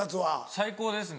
最高ですね。